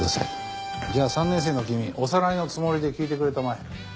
じゃあ３年生の君おさらいのつもりで聞いてくれたまえ。